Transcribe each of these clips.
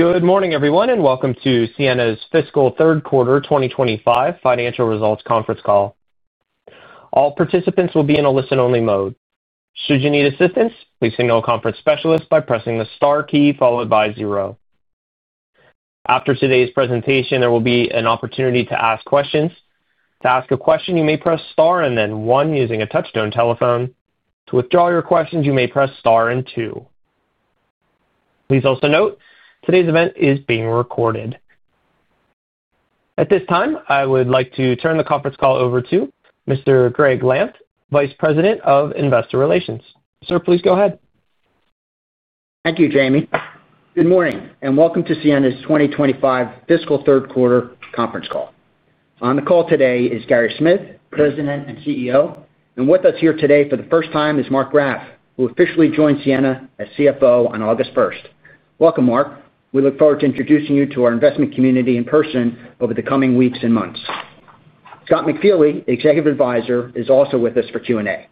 Good morning, everyone, and welcome to Ciena's Fiscal Q3 2025 Financial Results Conference Call. All participants will be in a listen-only mode. Should you need assistance, please signal a conference specialist by pressing the star key followed by zero. After today's presentation, there will be an opportunity to ask questions. To ask a question, you may press star and then one using a touchtone telephone. To withdraw your questions, you may press star and two. Please also note, today's event is being recorded. At this time, I would like to turn the conference call over to Mr. Gregg Lampf, Vice President of Investor Relations. Sir, please go ahead. Thank you, Jamie. Good morning, and welcome to Ciena's 2025 Fiscal Q3 Conference Call. On the call today is Gary Smith, President and CEO, and with us here today for the first time is Marc Graff, who officially joined Ciena as CFO on August 1. Welcome, Mark. We look forward to introducing you to our investment community in person over the coming weeks and months. Scott McFeely, Executive Advisor, is also with us for Q&A.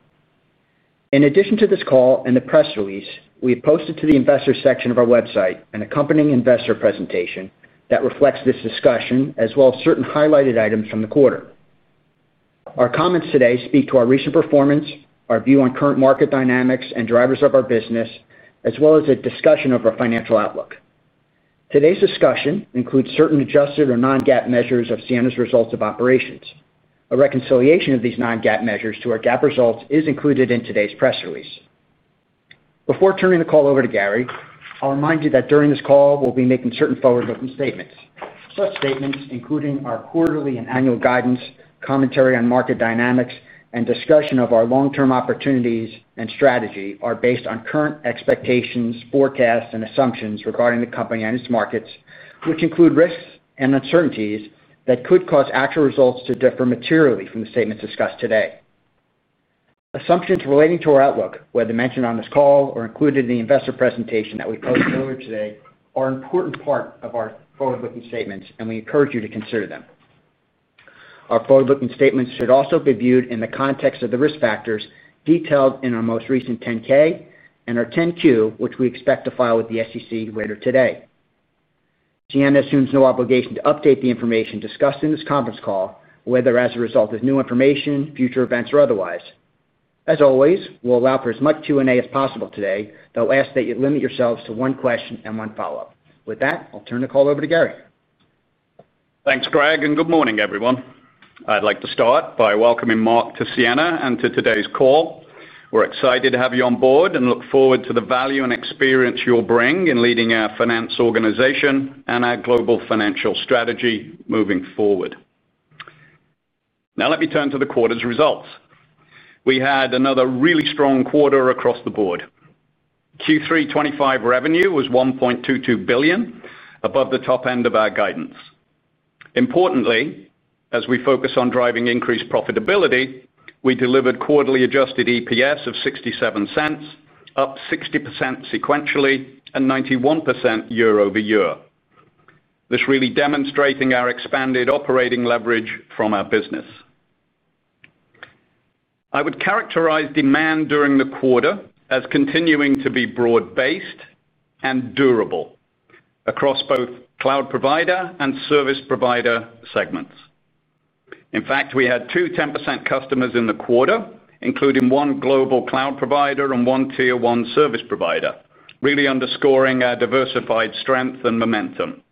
In addition to this call and the press release, we have posted to the investor section of our website an accompanying investor presentation that reflects this discussion, as well as certain highlighted items from the quarter. Our comments today speak to our recent performance, our view on current market dynamics and drivers of our business, as well as a discussion of our financial outlook. Today's discussion includes certain adjusted or non-GAAP measures of Ciena's results of operations. A reconciliation of these non-GAAP measures to our GAAP results is included in today's press release. Before turning the call over to Gary, I'll remind you that during this call, we'll be making certain forward-looking statements. Such statements, including our quarterly and annual guidance, commentary on market dynamics, and discussion of our long-term opportunities and strategy, are based on current expectations, forecasts, and assumptions regarding the company and its markets, which include risks and uncertainties that could cause actual results to differ materially from the statements discussed today. Assumptions relating to our outlook, whether mentioned on this call or included in the investor presentation that we posted earlier today, are an important part of our forward-looking statements, and we encourage you to consider them. Our forward-looking statements should also be viewed in the context of the risk factors detailed in our most recent 10-K and our 10-Q, which we expect to file with the SEC later today. Ciena assumes no obligation to update the information discussed in this conference call, whether as a result of new information, future events, or otherwise. As always, we'll allow for as much Q&A as possible today, though I ask that you limit yourselves to one question and one follow-up. With that, I'll turn the call over to Gary. Thanks, Greg, and good morning, everyone. I'd like to start by welcoming Mark to Ciena and to today's call. We're excited to have you on board and look forward to the value and experience you'll bring in leading our finance organization and our global financial strategy moving forward. Now let me turn to the quarter's results. We had another really strong quarter across the board. Q3 2025 revenue was $1.22 billion, above the top end of our guidance. Importantly, as we focus on driving increased profitability, we delivered quarterly adjusted EPS of $0.67, up 60% sequentially and 91% year over year. This really demonstrating our expanded operating leverage from our business. I would characterize demand during the quarter as continuing to be broad-based and durable across both cloud provider and service provider segments. In fact, we had two 10% customers in the quarter, including one global cloud provider and one Tier One service provider, really underscoring our diversified strength and momentum.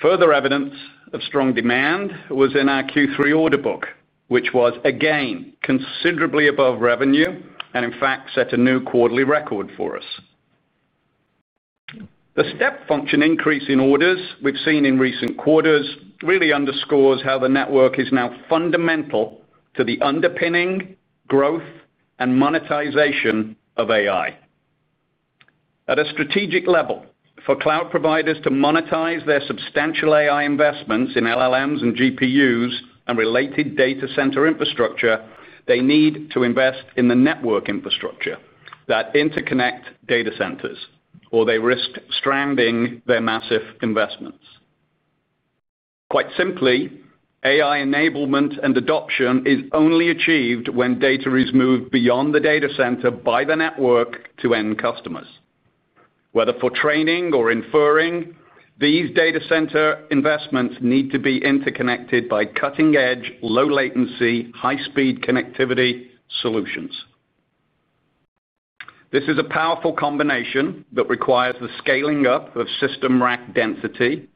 Further evidence of strong demand was in our Q3 order book, which was again considerably above revenue and in fact, set a new quarterly record for us. The step function increase in orders we've seen in recent quarters really underscores how the network is now fundamental to the underpinning, growth, and monetization of AI. At a strategic level, for cloud providers to monetize their substantial AI investments in LLMs and GPUs and related data center infrastructure, they need to invest in the network infrastructure that interconnect data centers, or they risk stranding their massive investments. Quite simply, AI enablement and adoption is only achieved when data is moved beyond the data center by the network to end customers. Whether for training or inferring, these data center investments need to be interconnected by cutting-edge, low latency, high-speed connectivity solutions. This is a powerful combination that requires the scaling up of system rack density,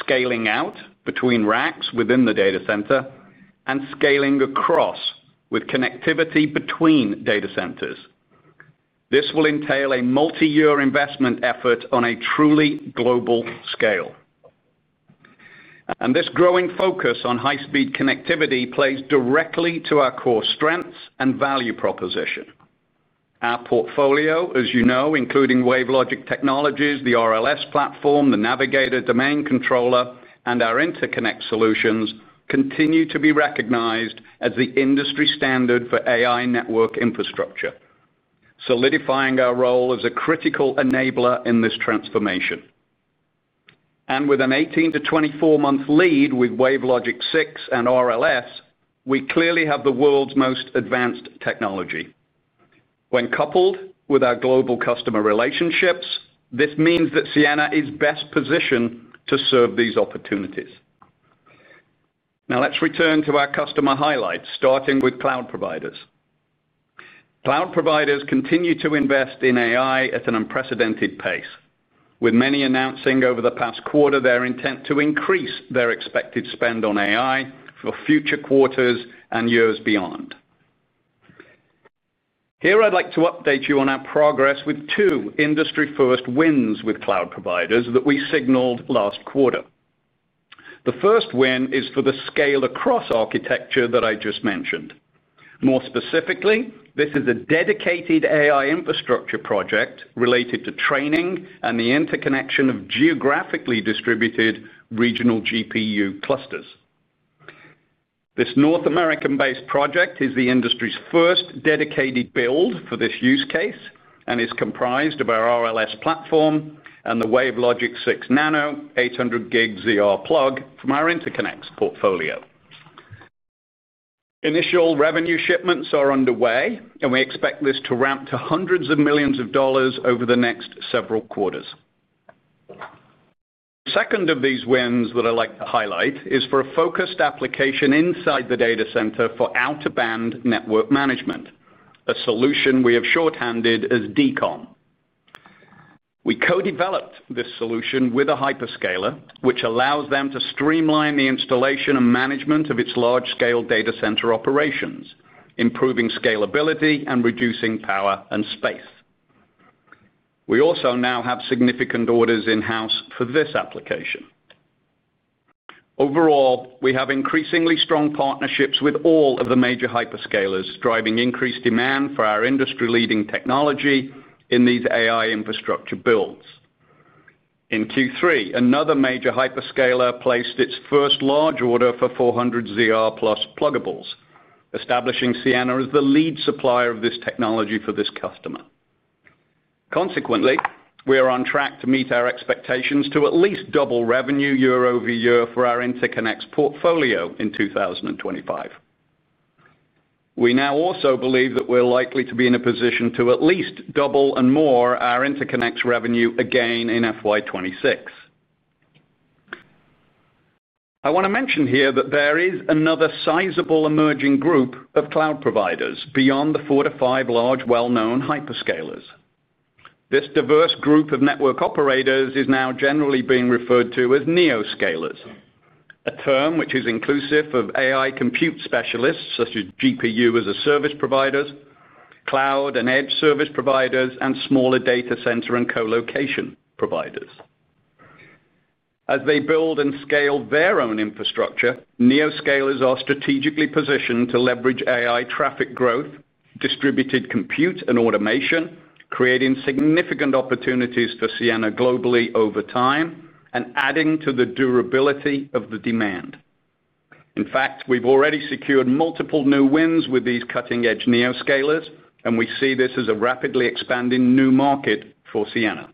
scaling out between racks within the data center, and scaling across with connectivity between data centers. This will entail a multi-year investment effort on a truly global scale. And this growing focus on high-speed connectivity plays directly to our core strengths and value proposition. Our portfolio, as you know, including WaveLogic Technologies, the RLS platform, the Navigator domain controller, and our interconnect solutions, continue to be recognized as the industry standard for AI network infrastructure, solidifying our role as a critical enabler in this transformation.... and with an 18- to 24-month lead with WaveLogic 6 and RLS, we clearly have the world's most advanced technology. When coupled with our global customer relationships, this means that Ciena is best positioned to serve these opportunities. Now, let's return to our customer highlights, starting with cloud providers. Cloud providers continue to invest in AI at an unprecedented pace, with many announcing over the past quarter their intent to increase their expected spend on AI for future quarters and years beyond. Here, I'd like to update you on our progress with two industry-first wins with cloud providers that we signaled last quarter. The first win is for the scale across architecture that I just mentioned. More specifically, this is a dedicated AI infrastructure project related to training and the interconnection of geographically distributed regional GPU clusters. This North American-based project is the industry's first dedicated build for this use case and is comprised of our RLS platform and the WaveLogic 6 Nano 800G ZR pluggable from our interconnects portfolio. Initial revenue shipments are underway, and we expect this to ramp to hundreds of millions of dollars over the next several quarters. Second of these wins that I'd like to highlight is for a focused application inside the data center for out-of-band network management, a solution we have shorthanded as DCOM. We co-developed this solution with a hyperscaler, which allows them to streamline the installation and management of its large-scale data center operations, improving scalability and reducing power and space. We also now have significant orders in-house for this application. Overall, we have increasingly strong partnerships with all of the major hyperscalers, driving increased demand for our industry-leading technology in these AI infrastructure builds. In Q3, another major hyperscaler placed its first large order for 400ZR+ pluggables, establishing Ciena as the lead supplier of this technology for this customer. Consequently, we are on track to meet our expectations to at least double revenue year over year for our interconnects portfolio in 2025. We now also believe that we're likely to be in a position to at least double and more our interconnects revenue again in FY 2026. I want to mention here that there is another sizable emerging group of cloud providers beyond the four to five large, well-known hyperscalers. This diverse group of network operators is now generally being referred to as Neoscalers, a term which is inclusive of AI compute specialists, such as GPU-as-a-service providers, cloud and edge service providers, and smaller data center and colocation providers. As they build and scale their own infrastructure, Neoscalers are strategically positioned to leverage AI traffic growth, distributed compute, and automation, creating significant opportunities for Ciena globally over time and adding to the durability of the demand. In fact, we've already secured multiple new wins with these cutting-edge Neoscalers, and we see this as a rapidly expanding new market for Ciena.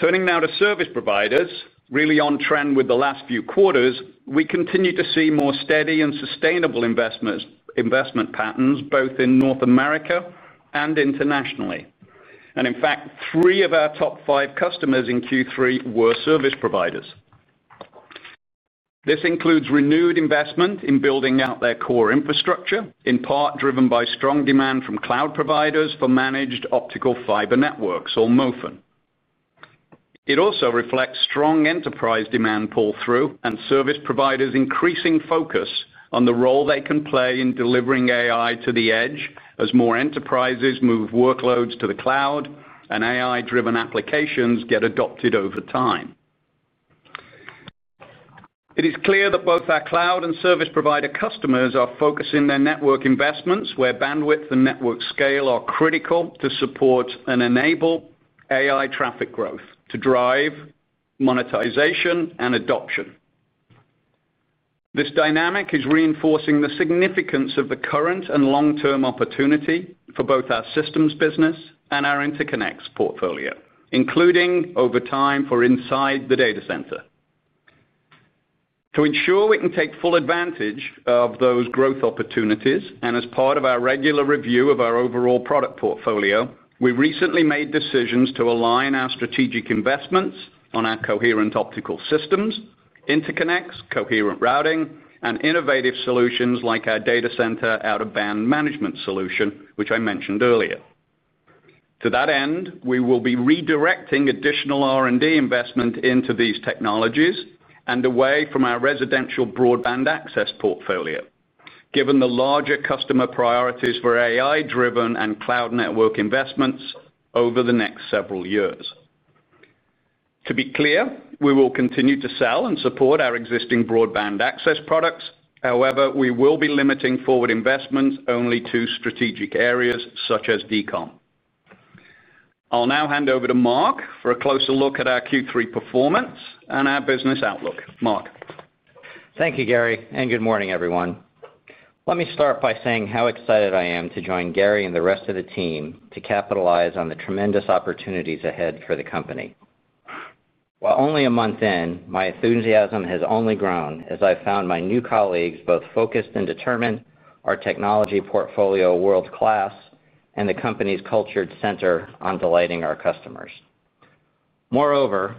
Turning now to service providers, really on trend with the last few quarters, we continue to see more steady and sustainable investments, investment patterns, both in North America and internationally. And in fact, three of our top five customers in Q3 were service providers. This includes renewed investment in building out their core infrastructure, in part driven by strong demand from cloud providers for managed optical fiber networks or MOFN. It also reflects strong enterprise demand pull-through and service providers increasing focus on the role they can play in delivering AI to the edge as more enterprises move workloads to the cloud and AI-driven applications get adopted over time. It is clear that both our cloud and service provider customers are focusing their network investments, where bandwidth and network scale are critical to support and enable AI traffic growth, to drive monetization and adoption. This dynamic is reinforcing the significance of the current and long-term opportunity for both our systems business and our interconnects portfolio, including over time for inside the data center. To ensure we can take full advantage of those growth opportunities, and as part of our regular review of our overall product portfolio, we recently made decisions to align our strategic investments on our coherent optical systems, interconnects, coherent routing, and innovative solutions like our data center out-of-band management solution, which I mentioned earlier. To that end, we will be redirecting additional R&D investment into these technologies and away from our residential broadband access portfolio, given the larger customer priorities for AI-driven and cloud network investments over the next several years. To be clear, we will continue to sell and support our existing broadband access products. However, we will be limiting forward investments only to strategic areas such as DCOM. I'll now hand over to Mark for a closer look at our Q3 performance and our business outlook. Mark? Thank you, Gary, and good morning, everyone. Let me start by saying how excited I am to join Gary and the rest of the team to capitalize on the tremendous opportunities ahead for the company. While only a month in, my enthusiasm has only grown as I've found my new colleagues both focused and determined, our technology portfolio world-class, and the company's culture centered on delighting our customers. Moreover,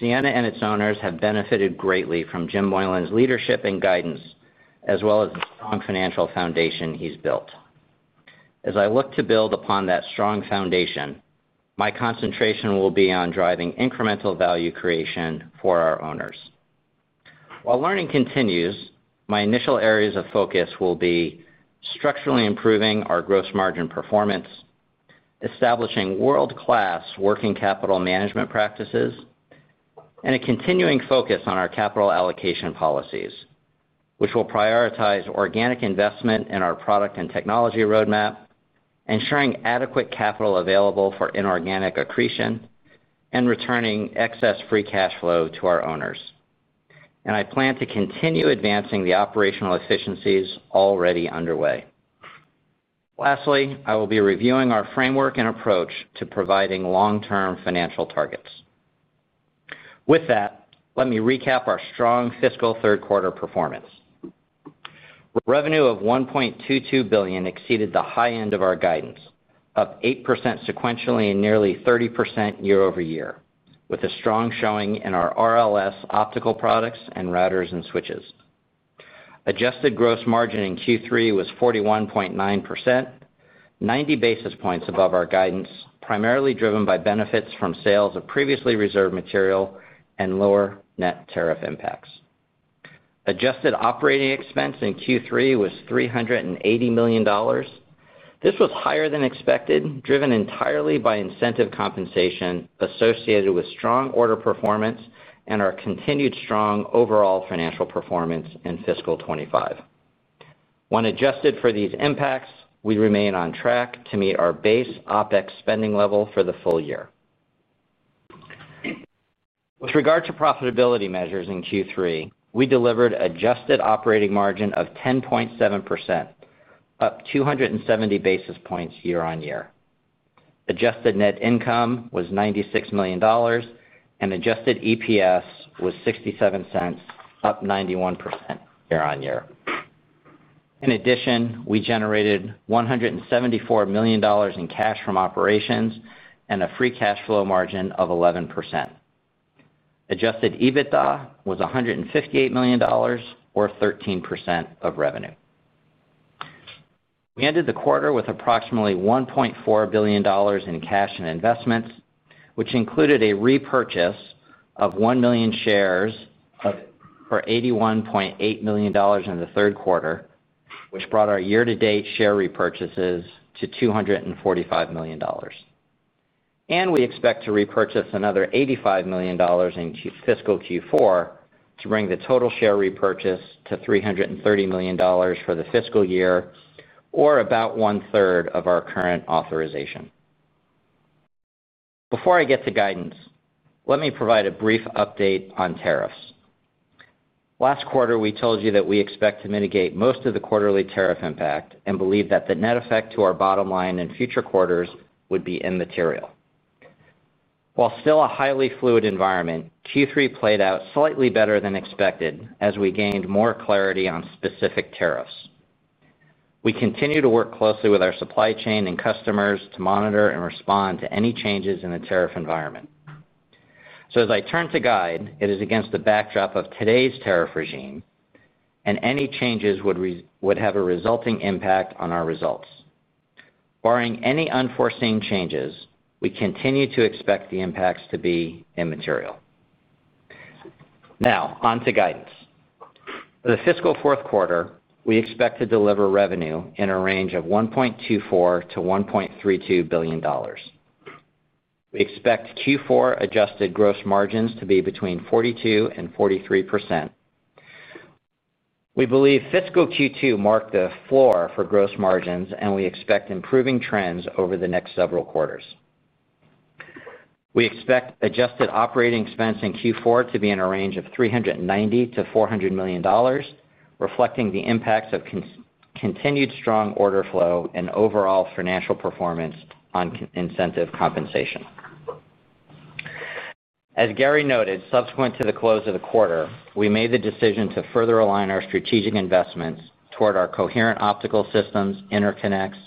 Ciena and its owners have benefited greatly from Jim Moylan's leadership and guidance, as well as the strong financial foundation he's built. As I look to build upon that strong foundation, my concentration will be on driving incremental value creation for our owners. While learning continues, my initial areas of focus will be structurally improving our gross margin performance, establishing world-class working capital management practices, and a continuing focus on our capital allocation policies, which will prioritize organic investment in our product and technology roadmap, ensuring adequate capital available for inorganic accretion, and returning excess free cash flow to our owners, and I plan to continue advancing the operational efficiencies already underway. Lastly, I will be reviewing our framework and approach to providing long-term financial targets. With that, let me recap our strong fiscal Q3 performance. Revenue of $1.22 billion exceeded the high end of our guidance, up 8% sequentially and nearly 30% year-over-year, with a strong showing in our RLS optical products and routers and switches. Adjusted gross margin in Q3 was 41.9%, 90 basis points above our guidance, primarily driven by benefits from sales of previously reserved material and lower net tariff impacts. Adjusted operating expense in Q3 was $380 million. This was higher than expected, driven entirely by incentive compensation associated with strong order performance and our continued strong overall financial performance in fiscal 2025. When adjusted for these impacts, we remain on track to meet our base OpEx spending level for the full year. With regard to profitability measures in Q3, we delivered adjusted operating margin of 10.7%, up 270 basis points year-on-year. Adjusted net income was $96 million, and adjusted EPS was $0.67, up 91% year-on-year. In addition, we generated $174 million in cash from operations and a free cash flow margin of 11%. Adjusted EBITDA was $158 million, or 13% of revenue. We ended the quarter with approximately $1.4 billion in cash and investments, which included a repurchase of 1 million shares for $81.8 million in the Q3, which brought our year-to-date share repurchases to $245 million. And we expect to repurchase another $85 million in fiscal Q4 to bring the total share repurchase to $330 million for the fiscal year, or about one third of our current authorization. Before I get to guidance, let me provide a brief update on tariffs. Last quarter, we told you that we expect to mitigate most of the quarterly tariff impact and believe that the net effect to our bottom line in future quarters would be immaterial. While still a highly fluid environment, Q3 played out slightly better than expected as we gained more clarity on specific tariffs. We continue to work closely with our supply chain and customers to monitor and respond to any changes in the tariff environment. So as I turn to guidance, it is against the backdrop of today's tariff regime, and any changes would have a resulting impact on our results. Barring any unforeseen changes, we continue to expect the impacts to be immaterial. Now, on to guidance. For the fiscal Q4, we expect to deliver revenue in a range of $1.24 - 1.32 billion. We expect Q4 adjusted gross margins to be between 42% and 43%. We believe fiscal Q2 marked the floor for gross margins, and we expect improving trends over the next several quarters. We expect adjusted operating expense in Q4 to be in a range of $390-400 million, reflecting the impacts of continued strong order flow and overall financial performance on incentive compensation. As Gary noted, subsequent to the close of the quarter, we made the decision to further align our strategic investments toward our coherent optical systems, interconnects,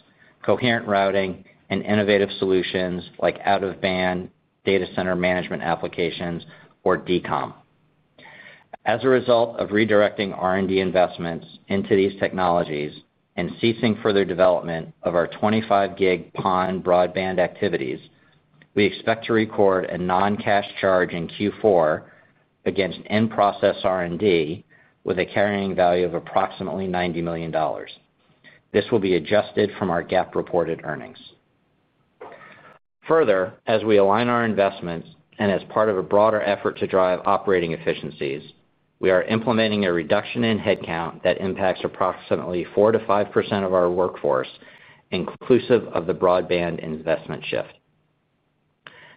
coherent routing, and innovative solutions like out-of-band data center management applications, or DCOM. As a result of redirecting R&D investments into these technologies and ceasing further development of our twenty-five gig PON broadband activities, we expect to record a non-cash charge in Q4 against in-process R&D with a carrying value of approximately $90 million. This will be adjusted from our GAAP reported earnings. Further, as we align our investments and as part of a broader effort to drive operating efficiencies, we are implementing a reduction in headcount that impacts approximately 4%-5% of our workforce, inclusive of the broadband investment shift.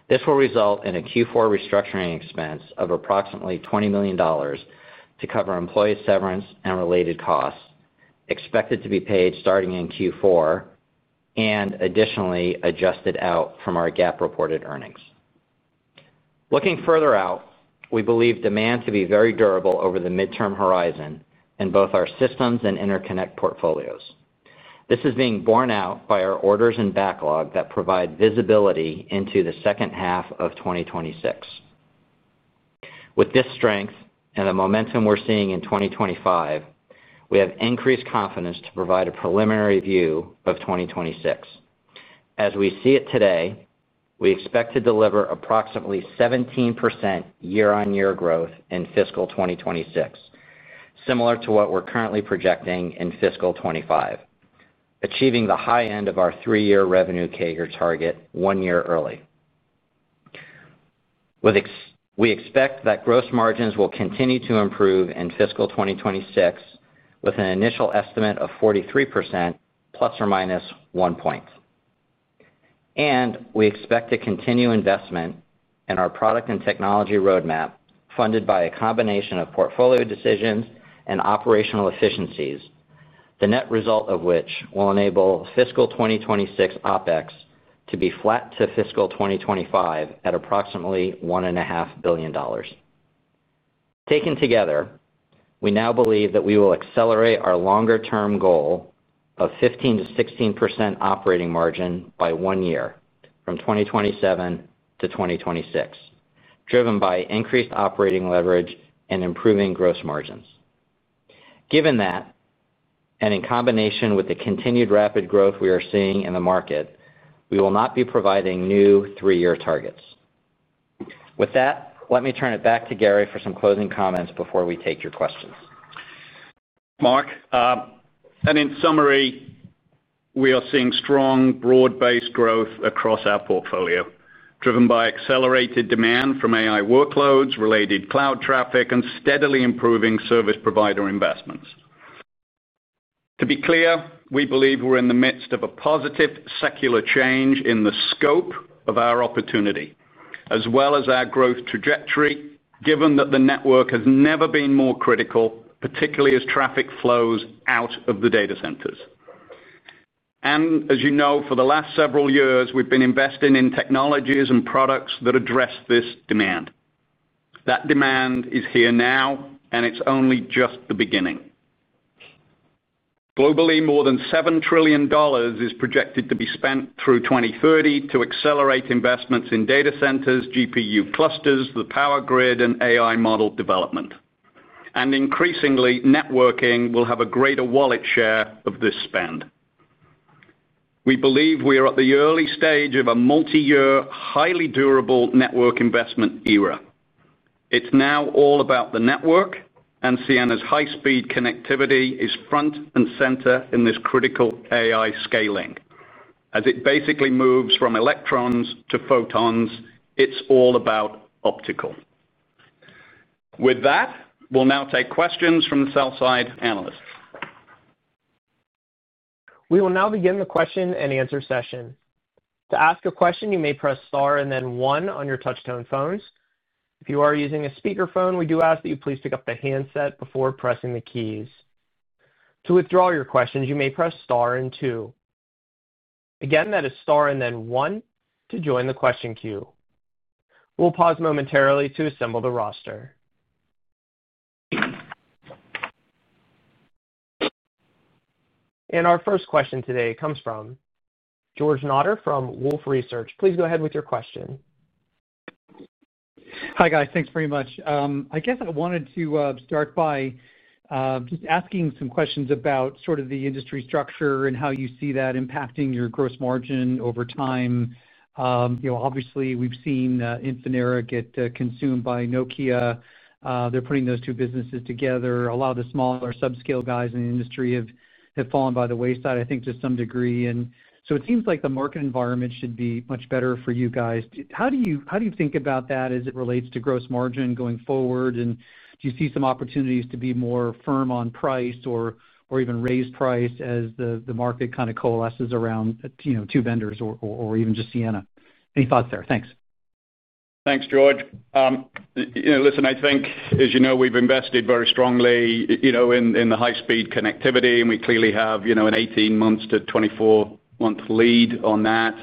This will result in a Q4 restructuring expense of approximately $20 million to cover employee severance and related costs, expected to be paid starting in Q4, and additionally adjusted out from our GAAP reported earnings. Looking further out, we believe demand to be very durable over the midterm horizon in both our systems and interconnect portfolios. This is being borne out by our orders and backlog that provide visibility into the second half of 2026. With this strength and the momentum we're seeing in 2025, we have increased confidence to pr6ovide a preliminary view of 2026. As we see it today, we expect to deliver approximately 17% year-on-year growth in fiscal 2026, similar to what we're currently projecting in fiscal 2025, achieving the high end of our three-year revenue CAGR target one year early. We expect that gross margins will continue to improve in fiscal 2026, with an initial estimate of 43%, plus or minus one point. We expect to continue investment in our product and technology roadmap, funded by a combination of portfolio decisions and operational efficiencies, the net result of which will enable fiscal 2026 OpEx to be flat to fiscal 2025 at approximately $1.5 billion. Taken together, we now believe that we will accelerate our longer-term goal of 15%-16% operating margin by one year, from 2027 to 2026, driven by increased operating leverage and improving gross margins. Given that, and in combination with the continued rapid growth we are seeing in the market, we will not be providing new three-year targets. With that, let me turn it back to Gary for some closing comments before we take your questions. Mark, and in summary, we are seeing strong, broad-based growth across our portfolio, driven by accelerated demand from AI workloads, related cloud traffic, and steadily improving service provider investments. To be clear, we believe we're in the midst of a positive secular change in the scope of our opportunity, as well as our growth trajectory, given that the network has never been more critical, particularly as traffic flows out of the data centers, and as you know, for the last several years, we've been investing in technologies and products that address this demand. That demand is here now, and it's only just the beginning. Globally, more than $7 trillion is projected to be spent through 2030 to accelerate investments in data centers, GPU clusters, the power grid, and AI model development, and increasingly, networking will have a greater wallet share of this spend. We believe we are at the early stage of a multiyear, highly durable network investment era. It's now all about the network, and Ciena's high-speed connectivity is front and center in this critical AI scaling. As it basically moves from electrons to photons, it's all about optical. With that, we'll now take questions from the sell-side analysts. We will now begin the question-and-answer session. To ask a question, you may press star and then one on your touchtone phones. If you are using a speakerphone, we do ask that you please pick up the handset before pressing the keys. To withdraw your questions, you may press star and two. Again, that is star and then one to join the question queue. We'll pause momentarily to assemble the roster. And our first question today comes from George Notter from Wolfe Research. Please go ahead with your question. Hi, guys. Thanks very much. I guess I wanted to start by just asking some questions about sort of the industry structure and how you see that impacting your gross margin over time. You know, obviously, we've seen Infinera get consumed by Nokia. They're putting those two businesses together. A lot of the smaller subscale guys in the industry have fallen by the wayside, I think, to some degree. And so it seems like the market environment should be much better for you guys. How do you think about that as it relates to gross margin going forward? And do you see some opportunities to be more firm on price or even raise price as the market kind of coalesces around, you know, two vendors or even just Ciena? Any thoughts there? Thanks. Thanks, George. You know, listen, I think, as you know, we've invested very strongly, you know, in the high-speed connectivity, and we clearly have, you know, an eighteen months to twenty-four month lead on that.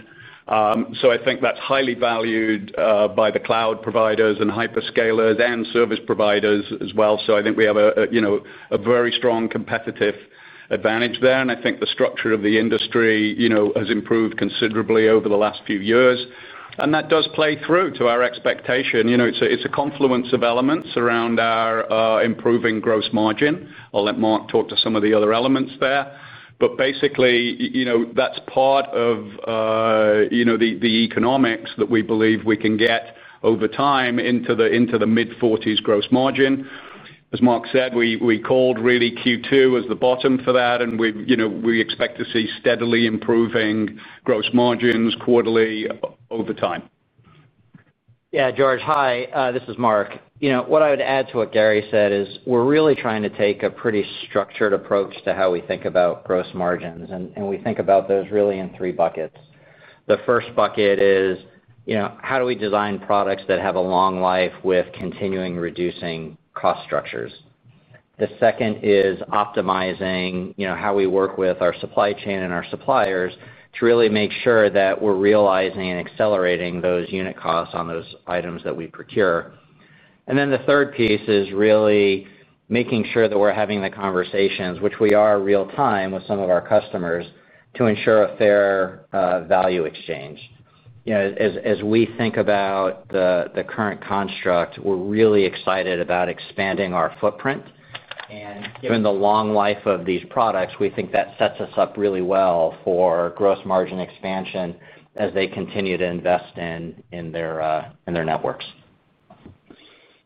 So I think that's highly valued by the cloud providers and hyperscalers and service providers as well. So I think we have a, you know, a very strong competitive advantage there, and I think the structure of the industry, you know, has improved considerably over the last few years, and that does play through to our expectation. You know, it's a confluence of elements around our improving gross margin. I'll let Mark talk to some of the other elements there, but basically, you know, that's part of you know, the economics that we believe we can get over time into the mid-40s gross margin. As Mark said, we called really Q2 as the bottom for that, and we, you know, we expect to see steadily improving gross margins quarterly over time. Yeah, George. Hi, this is Mark. You know, what I would add to what Gary said is we're really trying to take a pretty structured approach to how we think about gross margins, and we think about those really in three buckets. The first bucket is, you know, how do we design products that have a long life with continuing reducing cost structures? The second is optimizing, you know, how we work with our supply chain and our suppliers to really make sure that we're realizing and accelerating those unit costs on those items that we procure. And then the third piece is really making sure that we're having the conversations, which we are real time with some of our customers, to ensure a fair value exchange. You know, as we think about the current construct, we're really excited about expanding our footprint. And given the long life of these products, we think that sets us up really well for gross margin expansion as they continue to invest in their networks.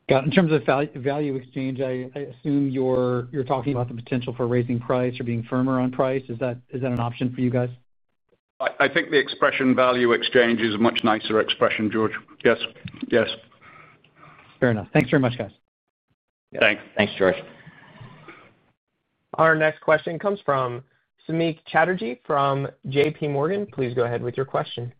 Got it. In terms of value exchange, I assume you're talking about the potential for raising price or being firmer on price. Is that an option for you guys? I think the expression value exchange is a much nicer expression, George. Yes, yes. Fair enough. Thanks very much, guys. Thanks. Thanks, George. Our next question comes from Samik Chatterjee from J.P. Morgan. Please go ahead with your question.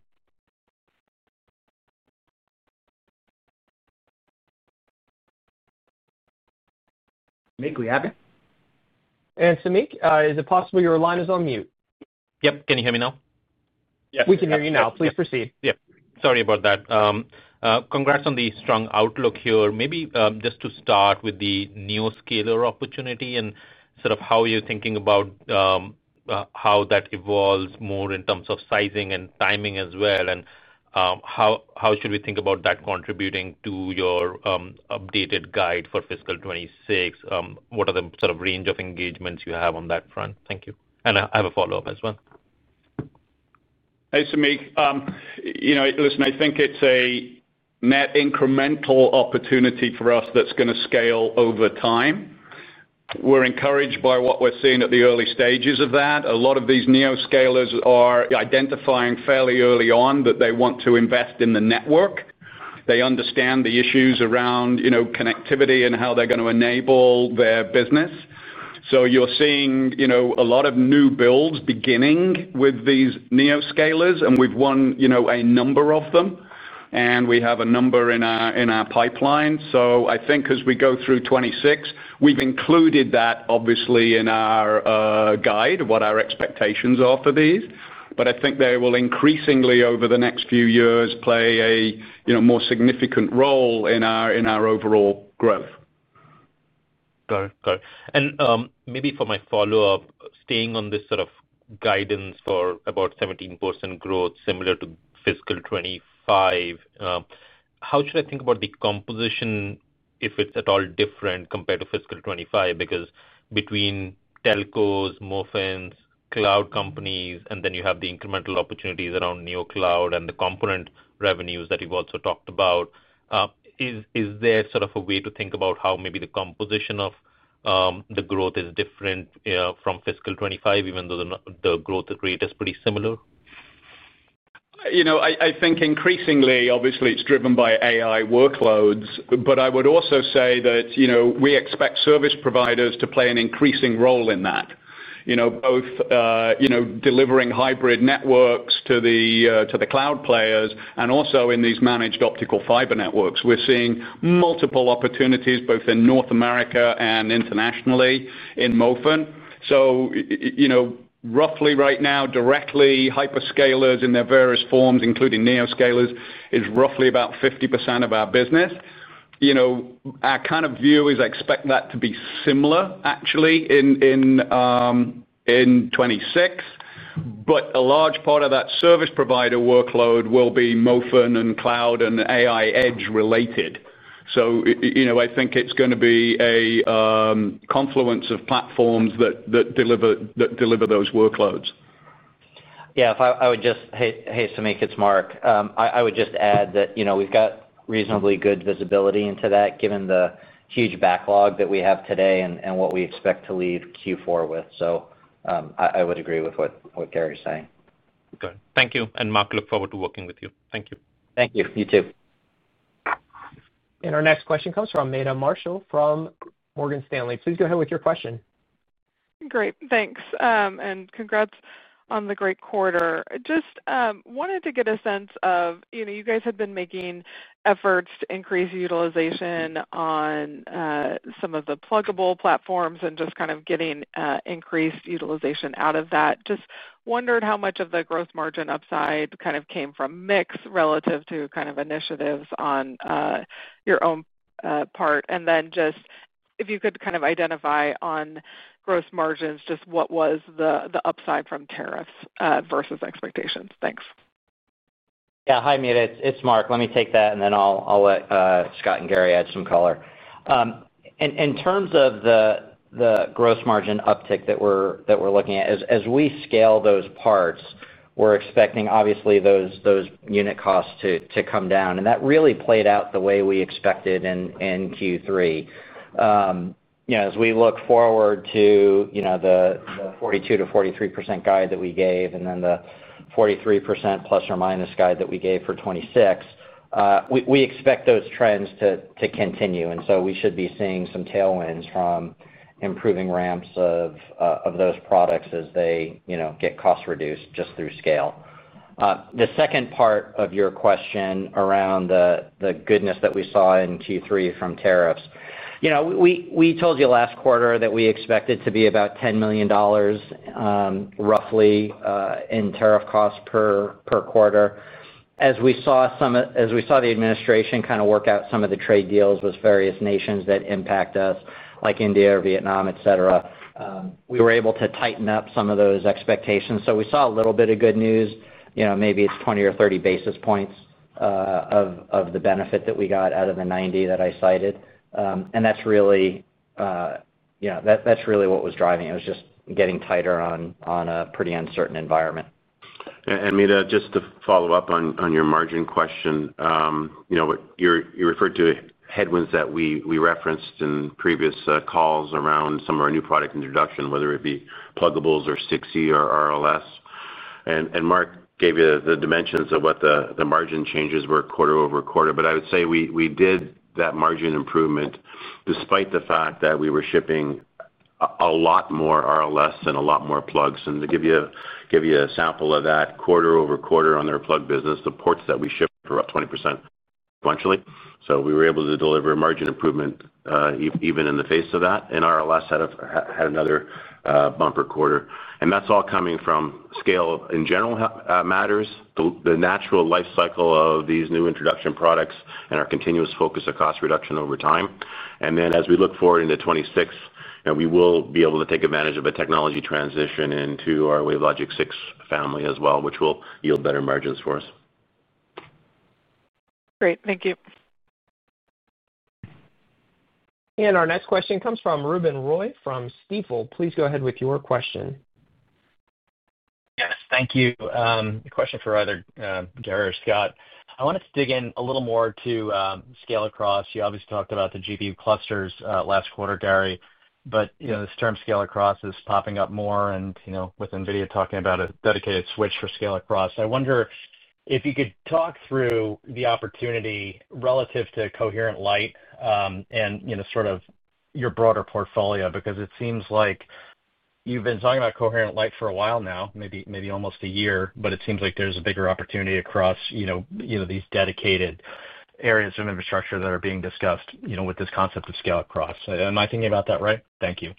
Samik, we have you? Samik, is it possible your line is on mute? Yep. Can you hear me now? We can hear you now. Please proceed. Yep, sorry about that. Congrats on the strong outlook here. Maybe, just to start with the neoscaler opportunity and sort of how you're thinking about, how that evolves more in terms of sizing and timing as well, and, how should we think about that contributing to your, updated guide for fiscal 2026? What are the sort of range of engagements you have on that front? Thank you, and I have a follow-up as well. Hey, Samik, you know, listen, I think it's a net incremental opportunity for us that's gonna scale over time. We're encouraged by what we're seeing at the early stages of that. A lot of these neoscalers are identifying fairly early on that they want to invest in the network. They understand the issues around, you know, connectivity and how they're going to enable their business. So you're seeing, you know, a lot of new builds beginning with these neoscalers, and we've won, you know, a number of them, and we have a number in our, in our pipeline. So I think as we go through 2026, we've included that obviously in our guide, what our expectations are for these. But I think they will increasingly, over the next few years, play a, you know, more significant role in our, in our overall growth. Got it. Got it. And, maybe for my follow-up, staying on this sort of guidance for about 17% growth, similar to fiscal 2025, how should I think about the composition, if it's at all different, compared to fiscal 2025? Because between telcos, MOFNs, cloud companies, and then you have the incremental opportunities around neoscalers and the component revenues that you've also talked about, is there sort of a way to think about how maybe the composition of the growth is different from fiscal 2025, even though the growth rate is pretty similar? You know, I think increasingly, obviously, it's driven by AI workloads, but I would also say that, you know, we expect service providers to play an increasing role in that. You know, both, you know, delivering hybrid networks to the, to the cloud players and also in these managed optical fiber networks. We're seeing multiple opportunities, both in North America and internationally, in MOFN. So, you know, roughly right now, directly, hyperscalers in their various forms, including neoscalers, is roughly about 50% of our business. You know, our kind of view is I expect that to be similar, actually, in 2026, but a large part of that service provider workload will be MOFN and cloud and AI edge related. So, you know, I think it's gonna be a confluence of platforms that deliver those workloads. Yeah. Hey, hey, Samik, it's Mark. I would just add that, you know, we've got reasonably good visibility into that, given the huge backlog that we have today and what we expect to leave Q4 with. So, I would agree with what Gary's saying. Good. Thank you. And, Mark, look forward to working with you. Thank you. Thank you. You too. Our next question comes from Meta Marshall, from Morgan Stanley. Please go ahead with your question. Great. Thanks, and congrats on the great quarter. Just wanted to get a sense of, you know, you guys have been making efforts to increase utilization on some of the pluggable platforms and just kind of getting increased utilization out of that. Just wondered how much of the growth margin upside kind of came from mix relative to kind of initiatives on your own part? And then just if you could kind of identify on gross margins, just what was the upside from tariffs versus expectations? Thanks. Yeah. Hi, Meta, it's Mark. Let me take that, and then I'll let Scott and Gary add some color. In terms of the gross margin uptick that we're looking at, as we scale those parts, we're expecting, obviously, those unit costs to come down, and that really played out the way we expected in Q3. You know, as we look forward to, you know, the 42%-43% guide that we gave, and then the 43% plus or minus guide that we gave for 2026. We expect those trends to continue, and so we should be seeing some tailwinds from improving ramps of those products as they, you know, get cost reduced just through scale. The second part of your question around the goodness that we saw in Q3 from tariffs. You know, we told you last quarter that we expected to be about $10 million, roughly, in tariff costs per quarter. As we saw the administration kind of work out some of the trade deals with various nations that impact us, like India or Vietnam, et cetera, we were able to tighten up some of those expectations. So we saw a little bit of good news. You know, maybe it's 20 or 30 basis points of the benefit that we got out of the 90 that I cited. And that's really, you know, that's really what was driving it. It was just getting tighter on a pretty uncertain environment. Meta, just to follow up on your margin question. You know, what you referred to headwinds that we referenced in previous calls around some of our new product introduction, whether it be pluggables or WL6 or RLS. Mark gave you the dimensions of what the margin changes were quarter over quarter. But I would say we did that margin improvement despite the fact that we were shipping a lot more RLS and a lot more plugs. To give you a sample of that, quarter over quarter on their plug business, the ports that we shipped were up 20% sequentially. So we were able to deliver margin improvement, even in the face of that. RLS had another bumper quarter. That's all coming from scale in general matters, the natural life cycle of these new introduction products and our continuous focus on cost reduction over time. As we look forward into 2026, we will be able to take advantage of a technology transition into our WaveLogic 6 family as well, which will yield better margins for us. Great, thank you. Our next question comes from Ruben Roy from Stifel. Please go ahead with your question. Yes, thank you. A question for either Gary or Scott. I wanted to dig in a little more to scale-across. You obviously talked about the GPU clusters last quarter, Gary, but you know, this term scale-across is popping up more and you know, with NVIDIA talking about a dedicated switch for scale-across. I wonder if you could talk through the opportunity relative to coherent light and you know, sort of your broader portfolio, because it seems like you've been talking about coherent light for a while now, maybe almost a year. But it seems like there's a bigger opportunity across you know, you know, these dedicated areas of infrastructure that are being discussed you know, with this concept of scale-across. Am I thinking about that right? Thank you.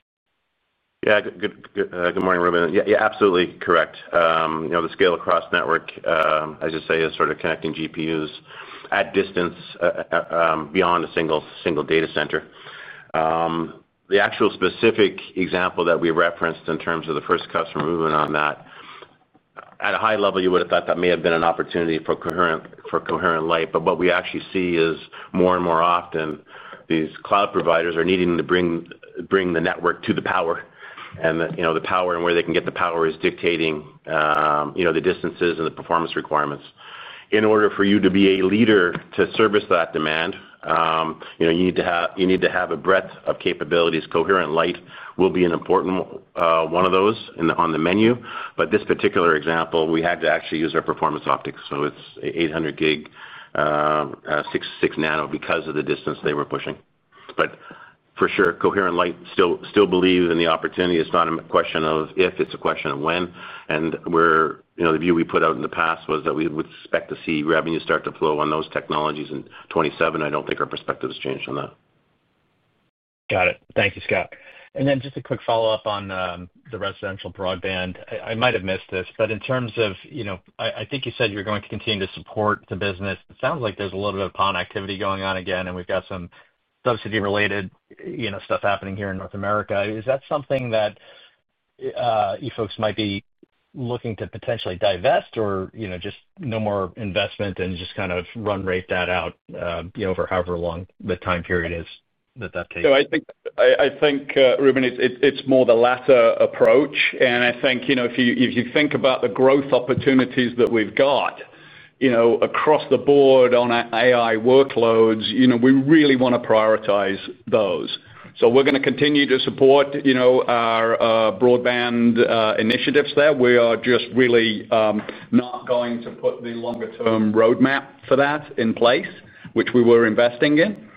Yeah. Good morning, Ruben. Yeah, you're absolutely correct. You know, the scale-across network, as you say, is sort of connecting GPUs at distance, beyond a single data center. The actual specific example that we referenced in terms of the first customer movement on that, at a high level, you would have thought that may have been an opportunity for coherent light. But what we actually see is, more and more often, these cloud providers are needing to bring the network to the power. And, you know, the power and where they can get the power is dictating, you know, the distances and the performance requirements. In order for you to be a leader to service that demand, you know, you need to have a breadth of capabilities. Coherent light will be an important one of those on the menu, but this particular example, we had to actually use our performance optics, so it's 800G WaveLogic 6 Nano because of the distance they were pushing. But for sure, coherent light. Still believe in the opportunity. It's not a question of if, it's a question of when. And we're, you know, the view we put out in the past was that we would expect to see revenue start to flow on those technologies in 2027. I don't think our perspective has changed on that. Got it. Thank you, Scott. And then just a quick follow-up on the residential broadband. I, I might have missed this, but in terms of... You know, I, I think you said you're going to continue to support the business. It sounds like there's a little bit of PON activity going on again, and we've got some subsidy-related, you know, stuff happening here in North America. Is that something that you folks might be looking to potentially divest or, you know, just no more investment and just kind of run rate that out, you know, for however long the time period is that that takes? So I think, Ruben, it's more the latter approach. And I think, you know, if you think about the growth opportunities that we've got, you know, across the board on our AI workloads, you know, we really want to prioritize those. So we're going to continue to support, you know, our broadband initiatives there. We are just really not going to put the longer-term roadmap for that in place, which we were investing in.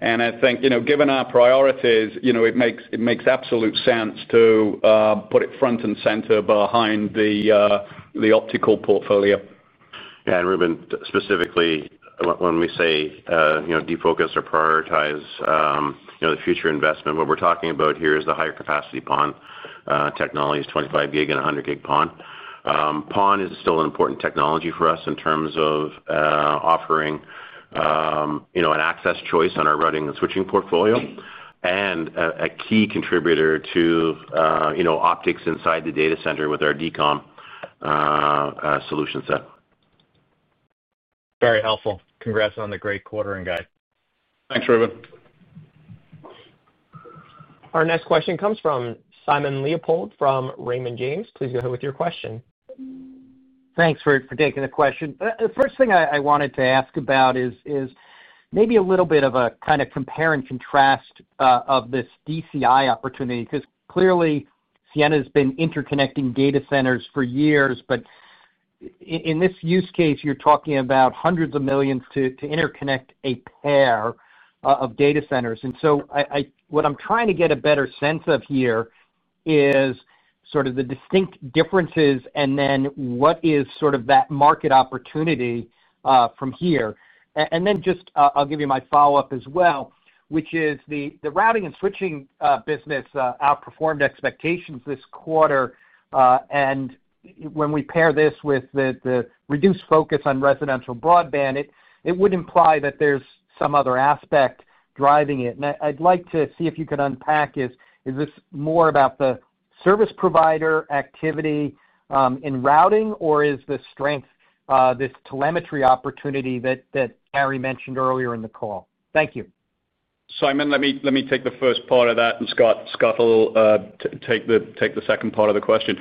And I think, you know, given our priorities, you know, it makes absolute sense to put it front and center behind the optical portfolio. Yeah, and Ruben, specifically, when we say, you know, defocus or prioritize, you know, the future investment, what we're talking about here is the higher capacity PON technologies, 25 gig and 100 gig PON. PON is still an important technology for us in terms of offering, you know, an access choice on our routing and switching portfolio. And a key contributor to, you know, optics inside the data center with our DCOM solution set. Very helpful. Congrats on the great quarter and guide. Thanks, Ruben. Our next question comes from Simon Leopold from Raymond James. Please go ahead with your question. Thanks for taking the question. The first thing I wanted to ask about is maybe a little bit of a kind of compare and contrast of this DCI opportunity, because clearly, Ciena's been interconnecting data centers for years, but in this use case, you're talking about hundreds of millions to interconnect a pair of data centers. And so what I'm trying to get a better sense of here is sort of the distinct differences, and then what is sort of that market opportunity from here. And then just, I'll give you my follow-up as well, which is the routing and switching business outperformed expectations this quarter, and when we pair this with the reduced focus on residential broadband, it would imply that there's some other aspect driving it. I'd like to see if you could unpack it. Is this more about the service provider activity in routing or is this strength this telemetry opportunity that Gary mentioned earlier in the call? Thank you. Simon, let me take the first part of that, and Scott will take the second part of the question.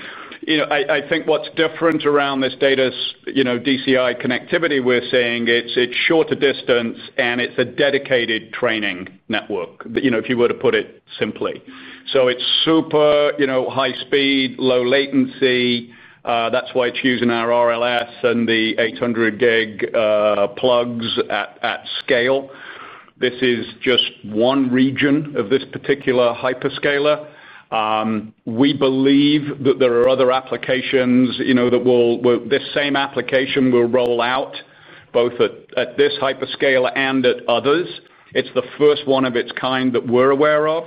You know, I think what's different around this DCI's, you know, DCI connectivity we're seeing, it's shorter distance, and it's a dedicated training network, you know, if you were to put it simply. So it's super, you know, high speed, low latency. That's why it's using our RLS and the 800 gig plugs at scale. This is just one region of this particular hyperscaler. We believe that there are other applications, you know, that will. Well, this same application will roll out both at this hyperscaler and at others. It's the first one of its kind that we're aware of,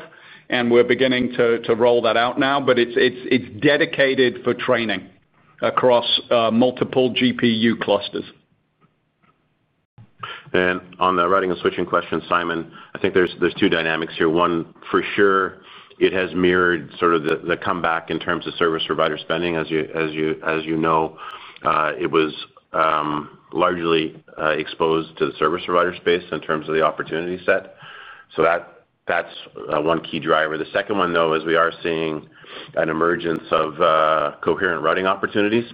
and we're beginning to roll that out now. But it's dedicated for training across multiple GPU clusters. And on the routing and switching question, Simon, I think there's two dynamics here. One, for sure, it has mirrored sort of the comeback in terms of service provider spending. As you know, it was largely exposed to the service provider space in terms of the opportunity set. So that's one key driver. The second one, though, is we are seeing an emergence of coherent routing opportunities.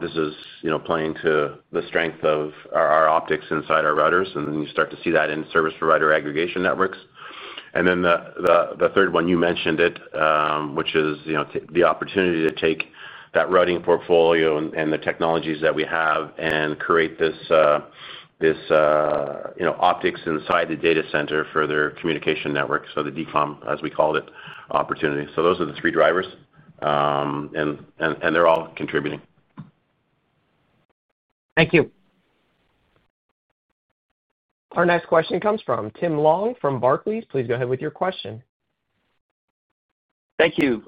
This is, you know, playing to the strength of our optics inside our routers, and then you start to see that in service provider aggregation networks. And then the third one, you mentioned it, which is, you know, the opportunity to take that routing portfolio and the technologies that we have and create this, you know, optics inside the data center for their communication network. So the DCOM, as we called it, opportunity. So those are the three drivers, and they're all contributing. Thank you. Our next question comes from Tim Long, from Barclays. Please go ahead with your question. Thank you.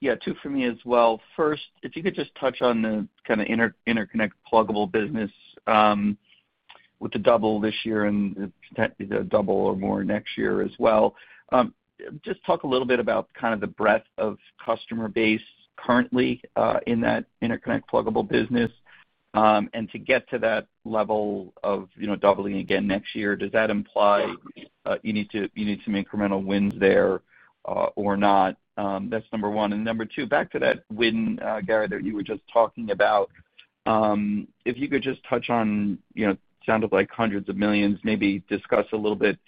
Yeah, two for me as well. First, if you could just touch on the kind of interconnect pluggable business, with the double this year and potentially the double or more next year as well. Just talk a little bit about kind of the breadth of customer base currently, in that interconnect pluggable business. And to get to that level of, you know, doubling again next year, does that imply, you need some incremental wins there, or not? That's number one. And number two, back to that win, Gary, that you were just talking about. If you could just touch on, you know, sounded like hundreds of millions, maybe discuss a little bit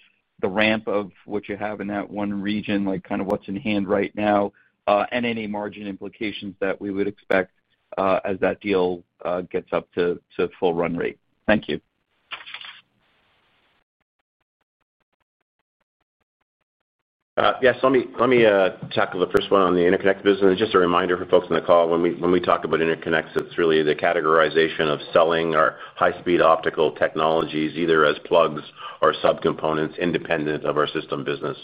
the ramp of what you have in that one region, like kind of what's in hand right now, and any margin implications that we would expect, as that deal gets up to full run rate? Thank you. Yes, let me tackle the first one on the interconnect business. Just a reminder for folks on the call, when we talk about interconnects, it's really the categorization of selling our high-speed optical technologies, either as plugs or subcomponents, independent of our system business.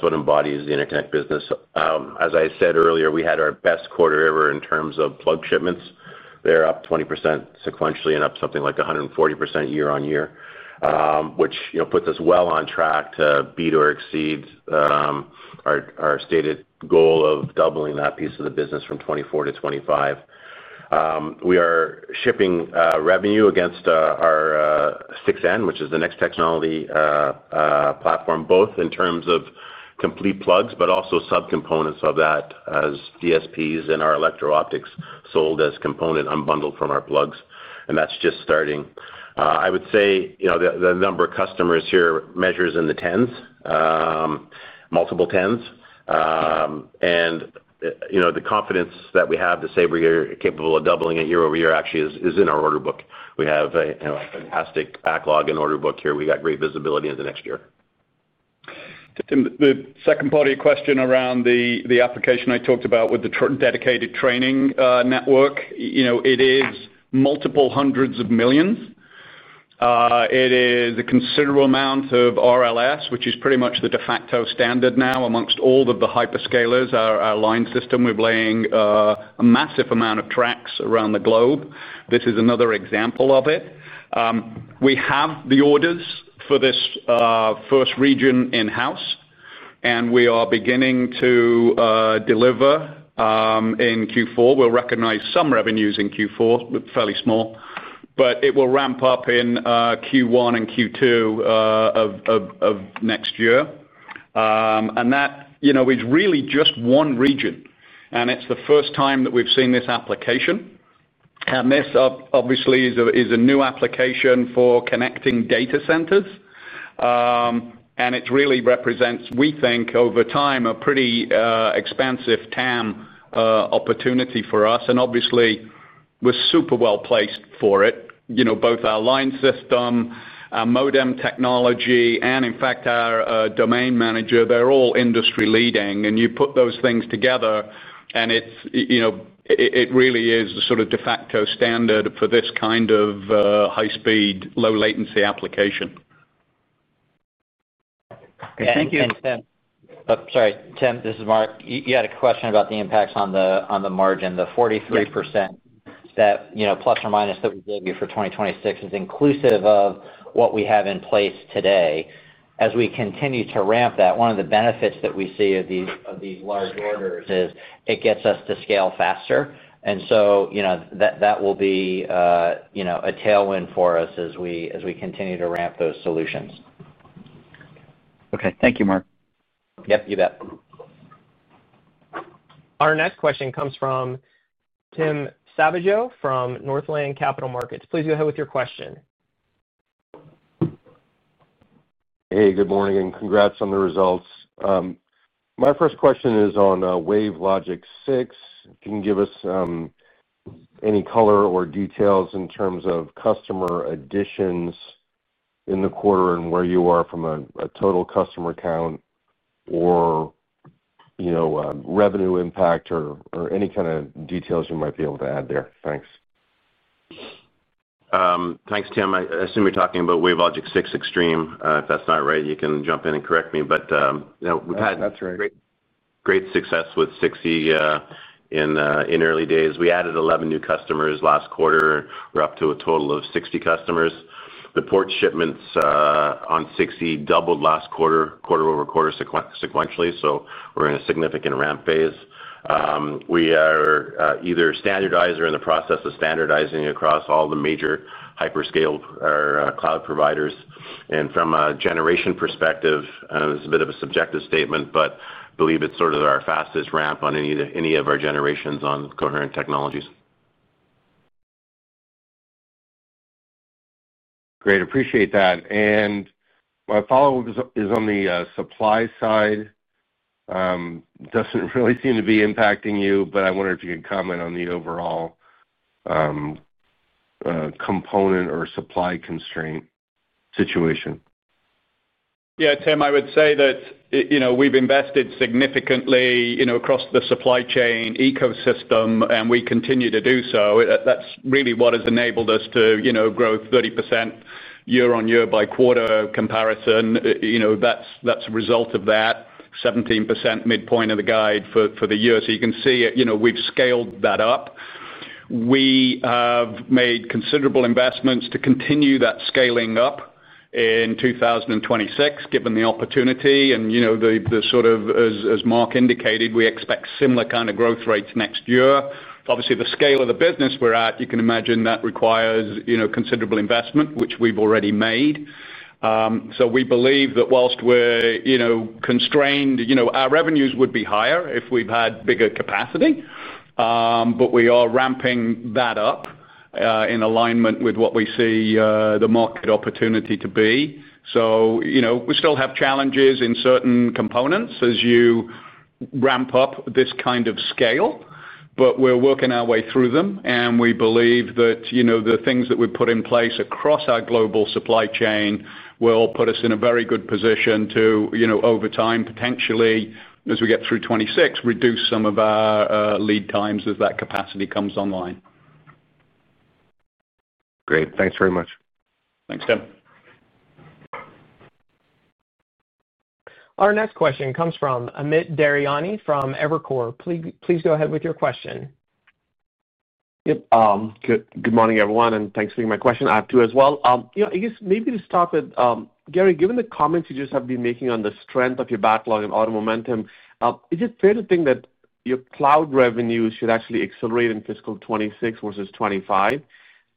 So that's what embodies the interconnect business. As I said earlier, we had our best quarter ever in terms of plug shipments. They're up 20% sequentially and up something like 140% year on year. Which, you know, puts us well on track to beat or exceed our stated goal of doubling that piece of the business from 2024 to 2025. We are shipping revenue against our 6N, which is the next technology platform, both in terms of complete plugs, but also subcomponents of that as DSPs and our electro optics sold as component unbundled from our plugs, and that's just starting. I would say, you know, the number of customers here measures in the 10s, multiple 10s. And, you know, the confidence that we have to say we're capable of doubling it year over year, actually is in our order book. We have a, you know, fantastic backlog in order book here. We got great visibility into next year. Tim, the second part of your question around the application I talked about with the true dedicated training network. You know, it is multiple hundreds of millions. It is a considerable amount of RLS, which is pretty much the de facto standard now amongst all of the hyperscalers. Our line system, we're laying a massive amount of trunks around the globe. This is another example of it. We have the orders for this first region in house, and we are beginning to deliver in Q4. We'll recognize some revenues in Q4, but fairly small, but it will ramp up in Q1 and Q2 of next year, and that, you know, is really just one region, and it's the first time that we've seen this application. And this obviously is a new application for connecting data centers. And it really represents, we think, over time, a pretty expansive TAM opportunity for us, and obviously, we're super well-placed for it. You know, both our line system, our modem technology, and in fact, our domain manager, they're all industry-leading. And you put those things together and it's, you know, it really is the sort of de facto standard for this kind of high speed, low latency application. Okay, thank you. Tim. Sorry, Tim, this is Mark. You had a question about the impacts on the margin, the 43%- Yes. that, you know, plus or minus, that we gave you for 2026 is inclusive of what we have in place today. As we continue to ramp that, one of the benefits that we see of these large orders is it gets us to scale faster, and so, you know, that will be, you know, a tailwind for us as we continue to ramp those solutions. Okay. Thank you, Mark. Yep, you bet. Our next question comes from Tim Savageau, from Northland Capital Markets. Please go ahead with your question. Hey, good morning, and congrats on the results. My first question is on WaveLogic 6. Can you give us any color or details in terms of customer additions in the quarter and where you are from a total customer count or, you know, revenue impact or any kinda details you might be able to add there? Thanks. Thanks, Tim. I assume you're talking about WaveLogic 6 Extreme. If that's not right, you can jump in and correct me, but, you know, we've had- That's right.... great success with 60 in early days. We added eleven new customers last quarter. We're up to a total of sixty customers. The port shipments on 60 doubled last quarter, quarter over quarter sequentially, so we're in a significant ramp phase. We are either standardized or in the process of standardizing across all the major hyperscalers or cloud providers. From a generation perspective, and it's a bit of a subjective statement, but believe it's sort of our fastest ramp on any of our generations on coherent technologies. Great. Appreciate that. And my follow-up is on the supply side. Doesn't really seem to be impacting you, but I wonder if you could comment on the overall component or supply constraint situation. Yeah, Tim, I would say that, you know, we've invested significantly, you know, across the supply chain ecosystem, and we continue to do so. That's really what has enabled us to, you know, grow 30% year-on-year by quarter comparison. You know, that's, that's a result of that 17% midpoint of the guide for the year. So you can see, you know, we've scaled that up. We have made considerable investments to continue that scaling up in 2026, given the opportunity and, you know, the sort of... as Mark indicated, we expect similar kinda growth rates next year. Obviously, the scale of the business we're at, you can imagine that requires, you know, considerable investment, which we've already made. So we believe that while we're, you know, constrained, you know, our revenues would be higher if we've had bigger capacity, but we are ramping that up, in alignment with what we see, the market opportunity to be. So, you know, we still have challenges in certain components as you ramp up this kind of scale, but we're working our way through them, and we believe that, you know, the things that we've put in place across our global supply chain will put us in a very good position to, you know, over time, potentially, as we get through twenty-six, reduce some of our lead times as that capacity comes online. Great. Thanks very much. Thanks, Tim. Our next question comes from Amit Daryanani from Evercore. Please, please go ahead with your question. Yep, good morning, everyone, and thanks for taking my question. I have two as well. You know, I guess maybe to start with, Gary, given the comments you just have been making on the strength of your backlog and order momentum, is it fair to think that your cloud revenue should actually accelerate in fiscal 2026 versus 2025?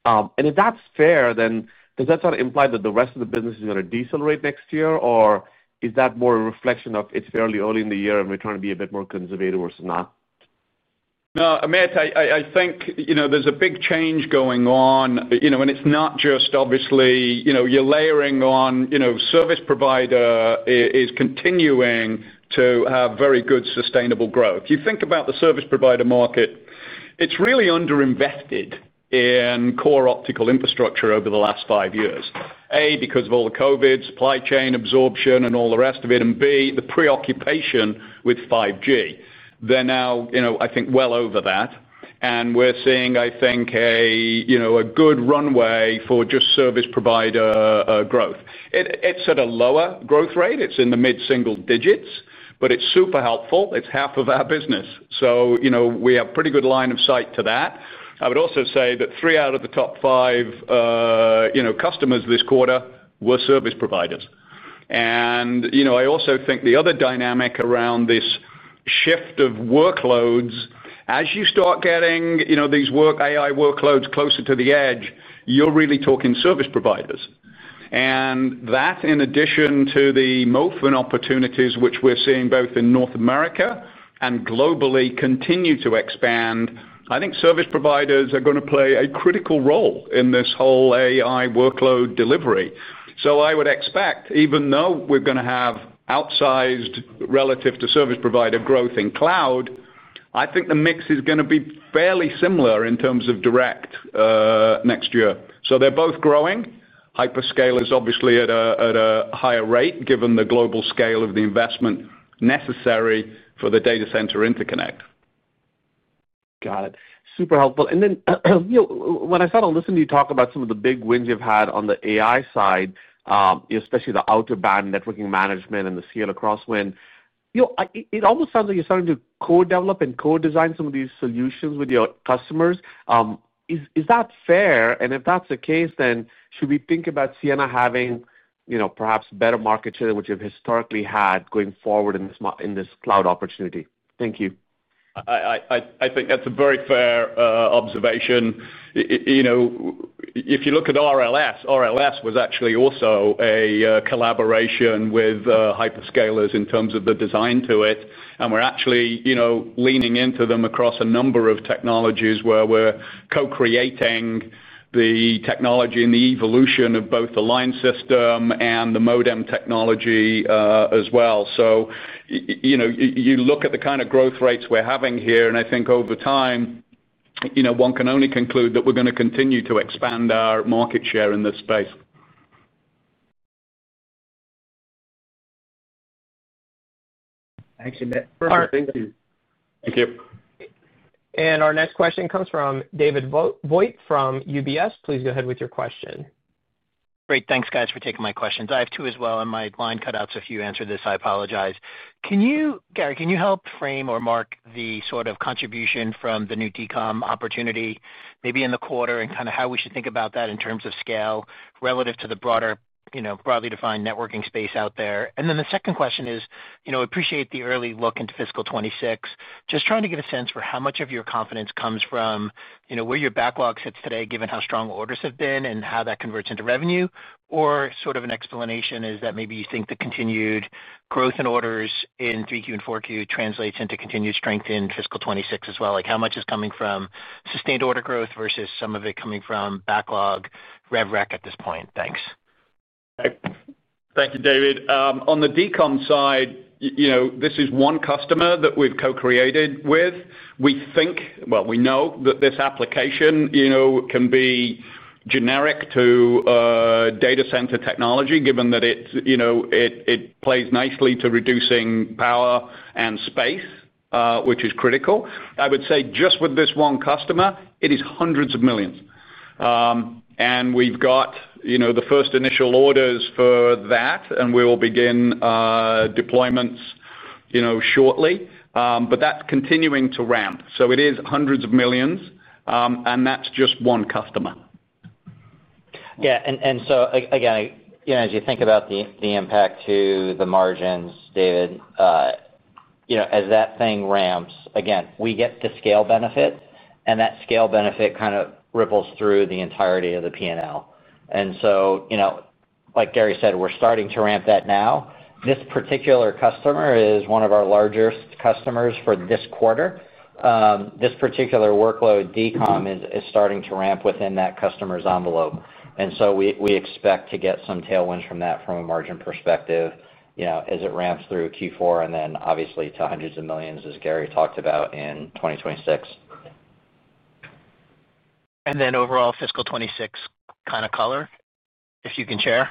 And if that's fair, then does that sort of imply that the rest of the business is gonna decelerate next year, or is that more a reflection of it's fairly early in the year, and we're trying to be a bit more conservative versus not? No, Amit, I think, you know, there's a big change going on, you know, and it's not just obviously, you know, you're layering on, you know, service provider is continuing to have very good, sustainable growth. If you think about the service provider market, it's really underinvested in core optical infrastructure over the last five years, A, because of all the COVID, supply chain absorption and all the rest of it, and B, the preoccupation with 5G. They're now, you know, I think, well over that, and we're seeing, I think, a good runway for just service provider growth. It's at a lower growth rate. It's in the mid-single digits, but it's super helpful. It's half of our business, so, you know, we have pretty good line of sight to that. I would also say that three out of the top five, you know, customers this quarter were service providers, and you know, I also think the other dynamic around this shift of workloads, as you start getting, you know, these AI workloads closer to the edge, you're really talking service providers, and that, in addition to the MOFN opportunities which we're seeing both in North America and globally, continue to expand. I think service providers are gonna play a critical role in this whole AI workload delivery, so I would expect, even though we're gonna have outsized relative to service provider growth in cloud, I think the mix is gonna be fairly similar in terms of direct next year, so they're both growing. Hyperscaler is obviously at a higher rate, given the global scale of the investment necessary for the data center interconnect. Got it. Super helpful. And then, you know, when I start to listen to you talk about some of the big wins you've had on the AI side, especially the out-of-band networking management and the Ciena Crosswind, you know, it almost sounds like you're starting to co-develop and co-design some of these solutions with your customers. Is that fair? And if that's the case, then should we think about Ciena having, you know, perhaps better market share, which you've historically had, going forward in this cloud opportunity? Thank you. I think that's a very fair observation. You know, if you look at RLS, RLS was actually also a collaboration with hyperscalers in terms of the design to it, and we're actually, you know, leaning into them across a number of technologies where we're co-creating the technology and the evolution of both the line system and the modem technology, as well. So you know, you look at the kind of growth rates we're having here, and I think over time, you know, one can only conclude that we're gonna continue to expand our market share in this space. Thanks. Thank you. Thank you. Our next question comes from David Vogt from UBS. Please go ahead with your question. Great, thanks, guys, for taking my questions. I have two as well, and my line cut out, so if you answer this, I apologize. Can you, Gary, can you help frame or mark the sort of contribution from the new DCOM opportunity, maybe in the quarter, and kind of how we should think about that in terms of scale relative to the broader, you know, broadly defined networking space out there? And then the second question is, you know, appreciate the early look into fiscal 2026. Just trying to get a sense for how much of your confidence comes from, you know, where your backlog sits today, given how strong orders have been and how that converts into revenue, or sort of an explanation is that maybe you think the continued growth in orders in Q3 and Q4 translates into continued strength in fiscal 2026 as well? Like, how much is coming from sustained order growth versus some of it coming from backlog rev rec at this point? Thanks. Thank you, David. On the DCOM side, you know, this is one customer that we've co-created with. We think, well, we know that this application, you know, can be generic to data center technology, given that it, you know, plays nicely to reducing power and space, which is critical. I would say just with this one customer, it is hundreds of millions. And we've got, you know, the first initial orders for that, and we will begin deployments, you know, shortly. But that's continuing to ramp. So it is hundreds of millions, and that's just one customer. Yeah, and so again, you know, as you think about the impact to the margins, David, you know, as that thing ramps, again, we get the scale benefit, and that scale benefit kind of ripples through the entirety of the P&L. And so, you know, like Gary said, we're starting to ramp that now. This particular customer is one of our largest customers for this quarter. This particular workload, DCOM, is starting to ramp within that customer's envelope. And so we expect to get some tailwinds from that from a margin perspective, you know, as it ramps through Q4 and then obviously to hundreds of millions, as Gary talked about in 2026. And then overall fiscal 2026 kind of color, if you can share?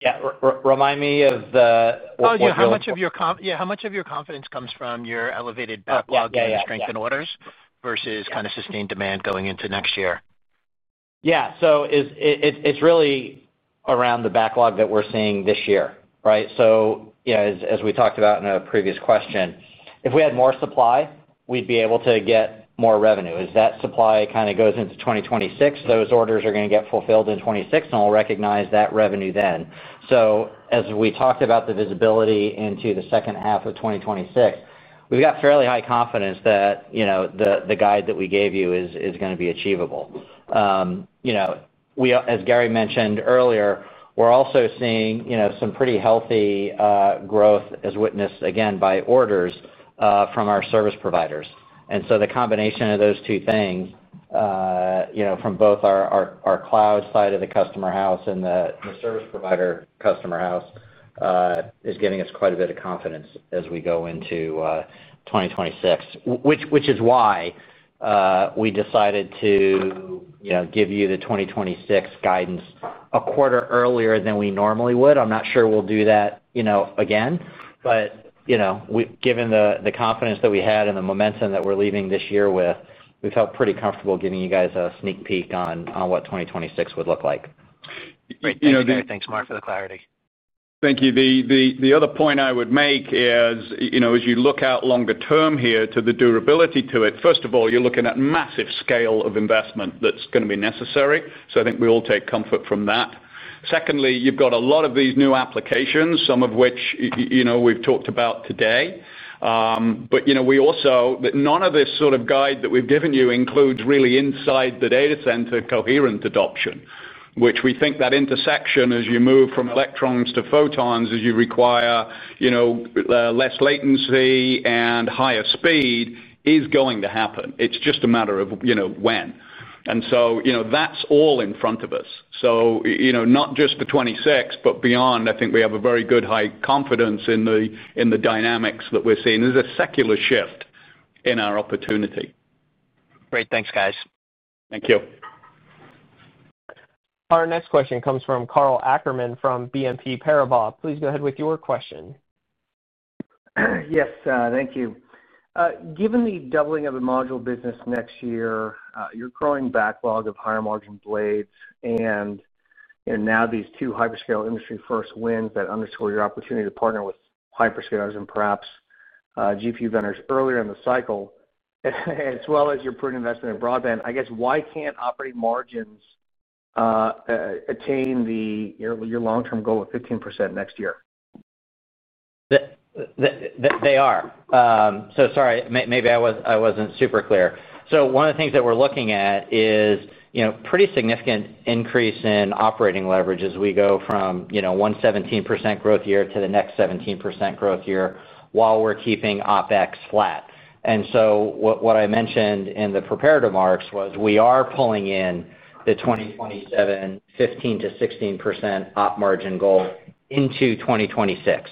Yeah. Remind me of the, what you're- Yeah, how much of your confidence comes from your elevated backlog? Oh, yeah, yeah, yeah.... and strength in orders versus- Yeah... kind of sustained demand going into next year? Yeah. So it's really around the backlog that we're seeing this year, right? So, you know, as we talked about in a previous question, if we had more supply, we'd be able to get more revenue. As that supply kind of goes into 2026, those orders are gonna get fulfilled in 2026, and we'll recognize that revenue then. So as we talked about the visibility into the second half of 2026, we've got fairly high confidence that, you know, the guide that we gave you is gonna be achievable. You know, as Gary mentioned earlier, we're also seeing, you know, some pretty healthy growth as witnessed, again, by orders from our service providers. And so the combination of those two things, you know, from both our cloud side of the customer house and the service provider customer house, is giving us quite a bit of confidence as we go into 2026. Which is why, we decided to, you know, give you the 2026 guidance a quarter earlier than we normally would. I'm not sure we'll do that, you know, again, but, you know, given the confidence that we had and the momentum that we're leaving this year with, we felt pretty comfortable giving you guys a sneak peek on what 2026 would look like. Great. Thank you, guys. Thanks, Mark, for the clarity. Thank you. The other point I would make is, you know, as you look out longer term here to the durability to it. First of all, you're looking at massive scale of investment that's gonna be necessary, so I think we all take comfort from that. Secondly, you've got a lot of these new applications, some of which, you know, we've talked about today. But none of this sort of guide that we've given you includes really inside the data center coherent adoption, which we think that intersection, as you move from electrons to photons, as you require, you know, less latency and higher speed, is going to happen. It's just a matter of, you know, when. And so, you know, that's all in front of us. You know, not just for 2026, but beyond, I think we have a very good high confidence in the dynamics that we're seeing. There's a secular shift in our opportunity. Great. Thanks, guys. Thank you. Our next question comes from Karl Ackerman from BNP Paribas. Please go ahead with your question. Yes, thank you. Given the doubling of the module business next year, your growing backlog of higher margin blades, and now these two hyperscale industry-first wins that underscore your opportunity to partner with hyperscalers and perhaps GPU vendors earlier in the cycle, as well as your prudent investment in broadband, I guess, why can't operating margins attain your long-term goal of 15% next year? Sorry, maybe I wasn't super clear. One of the things that we're looking at is, you know, pretty significant increase in operating leverage as we go from, you know, 17% growth year to the next 17% growth year, while we're keeping OpEx flat. And so what I mentioned in the prepared remarks was, we are pulling in the 2027 15%-16% operating margin goal into 2026.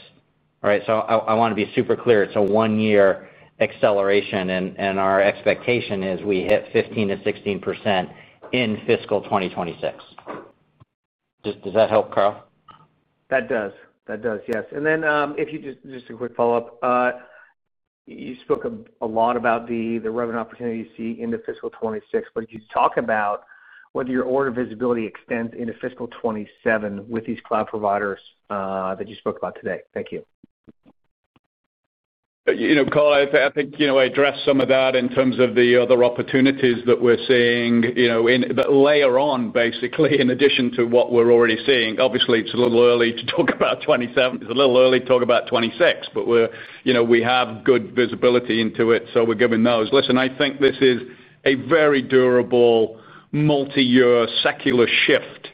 All right? I wanna be super clear, it's a one-year acceleration, and our expectation is we hit 15%-16% in fiscal 2026. Does that help, Karl? That does. That does, yes. And then, just a quick follow-up. You spoke a lot about the revenue opportunity you see into fiscal 2026, but could you talk about whether your order visibility extends into fiscal 2027 with these cloud providers that you spoke about today? Thank you. You know, Karl, I, I think, you know, I addressed some of that in terms of the other opportunities that we're seeing, you know, but later on, basically, in addition to what we're already seeing. Obviously, it's a little early to talk about 2027. It's a little early to talk about 2026, but we're, you know, we have good visibility into it, so we're giving those. Listen, I think this is a very durable, multi-year secular shift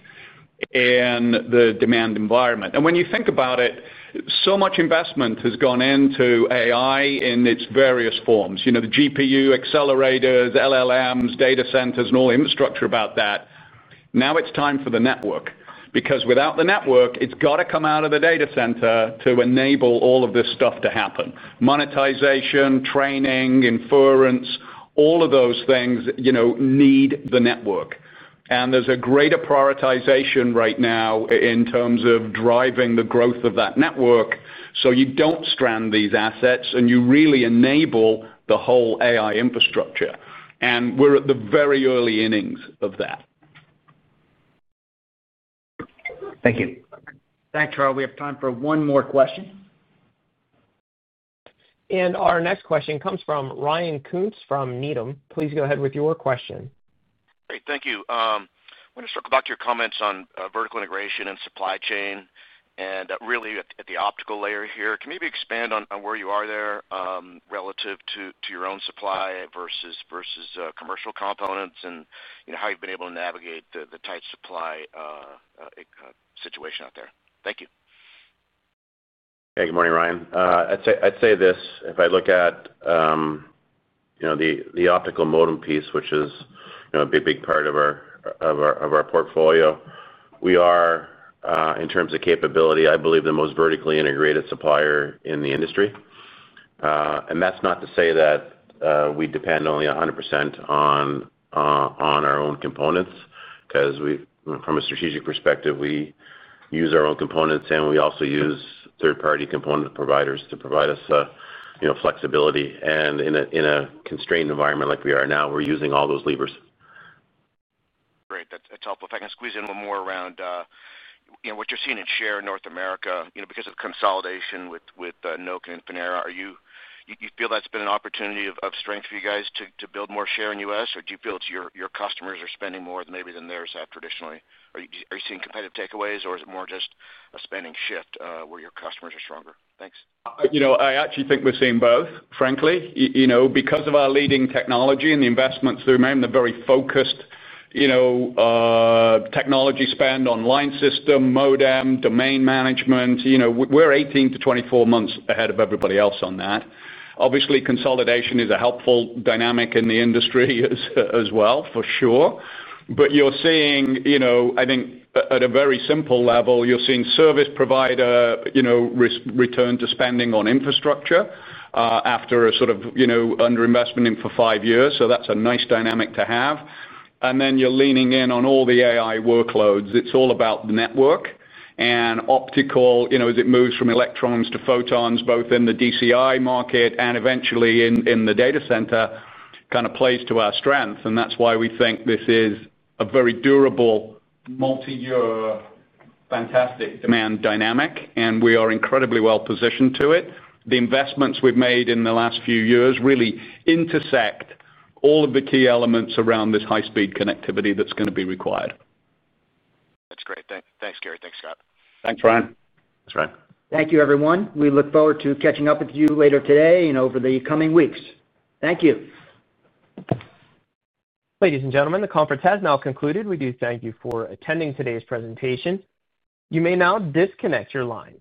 in the demand environment. And when you think about it, so much investment has gone into AI in its various forms, you know, the GPU, accelerators, LLMs, data centers, and all the infrastructure about that. Now it's time for the network, because without the network, it's gotta come out of the data center to enable all of this stuff to happen. Monetization, training, inference, all of those things, you know, need the network, and there's a greater prioritization right now in terms of driving the growth of that network, so you don't strand these assets, and you really enable the whole AI infrastructure, and we're at the very early innings of that. Thank you. Thanks, Karl. We have time for one more question. Our next question comes from Ryan Koontz, from Needham. Please go ahead with your question. Great. Thank you. I wanna just talk about your comments on vertical integration and supply chain, and really at the optical layer here. Can you maybe expand on where you are there, relative to your own supply versus situation out there. Thank you. Hey, good morning, Ryan. I'd say, I'd say this: if I look at you know, the optical modem piece, which is you know, a big, big part of our portfolio, we are in terms of capability, I believe the most vertically integrated supplier in the industry. And that's not to say that we depend only a hundred percent on our own components, 'cause we... From a strategic perspective, we use our own components, and we also use third-party component providers to provide us you know, flexibility. And in a constrained environment like we are now, we're using all those levers. Great. That's, that's helpful. If I can squeeze in one more around, you know, what you're seeing in share in North America, you know, because of consolidation with Nokia and Infinera, do you feel that's been an opportunity of strength for you guys to build more share in US? Or do you feel it's your customers are spending more than, maybe than theirs have traditionally? Are you seeing competitive takeaways, or is it more just a spending shift, where your customers are stronger? Thanks. You know, I actually think we're seeing both, frankly. You know, because of our leading technology and the investments we've made and the very focused, you know, technology spend on line system, modem, domain management, you know, we're 18-24 months ahead of everybody else on that. Obviously, consolidation is a helpful dynamic in the industry as well, for sure. But you're seeing, you know, I think at a very simple level, you're seeing service provider, you know, return to spending on infrastructure, after a sort of, you know, underinvestment for five years. So that's a nice dynamic to have, and then you're leaning in on all the AI workloads. It's all about the network and optical, you know, as it moves from electrons to photons, both in the DCI market and eventually in the data center, kind of plays to our strength, and that's why we think this is a very durable, multi-year, fantastic demand dynamic, and we are incredibly well positioned to it. The investments we've made in the last few years really intersect all of the key elements around this high-speed connectivity that's going to be required. That's great. Thanks, Gary. Thanks, Scott. Thanks, Ryan. Thanks, Ryan. Thank you, everyone. We look forward to catching up with you later today and over the coming weeks. Thank you. Ladies and gentlemen, the conference has now concluded. We do thank you for attending today's presentation. You may now disconnect your line.